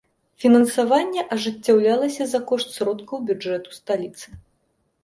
Фінансаванне ажыццяўлялася за кошт сродкаў бюджэту сталіцы.